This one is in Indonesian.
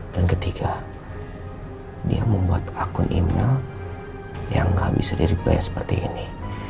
dan ketiga dia membuat akun email yang gak bisa di replay seperti ini